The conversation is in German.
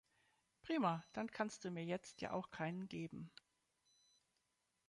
Prima, dann kannst du mir jetzt ja auch keinen geben.